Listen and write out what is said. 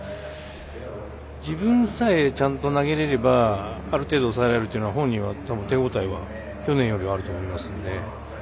自分さえちゃんと投げられればある程度、抑えられるというのは本人はたぶん手応えは去年よりはあると思いますので。